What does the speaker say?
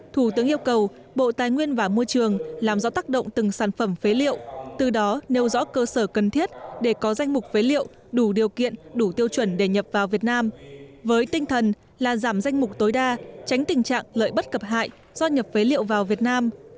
thủ tướng yêu cầu bộ tài nguyên và môi trường làm rõ tác động từng sản phẩm phế liệu từ đó nêu rõ cơ sở cần thiết để có danh mục phế liệu đủ điều kiện đủ tiêu chuẩn để nhập vào việt nam với tinh thần là giảm danh mục tối đa tránh tình trạng lợi bất cập hại do nhập phế liệu vào việt nam